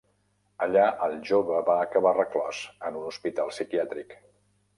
Allà el jove va acabar reclòs en un hospital psiquiàtric.